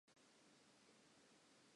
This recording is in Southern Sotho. Hona le tharollo ya mathata ao?